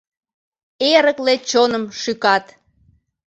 Эрыкле чоным шӱкат.